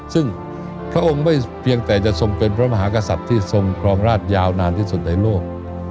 ซึ่งพระองค์ไม่เพียงแต่จะทรงเป็นพระมหากษัตริย์ที่ทรงครองราชยาวนานที่สุดในโลก